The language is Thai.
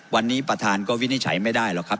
วันนี้ประธานก็วินิจฉัยไม่ได้หรอกครับ